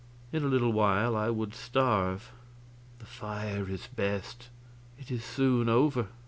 In a little while I would starve. The fire is best; it is soon over.